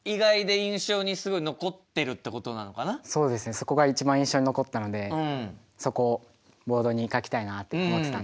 そこが一番印象に残ったのでそこをボードに書きたいなと思ってたんで。